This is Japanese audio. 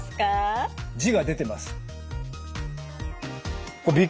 字が出てます。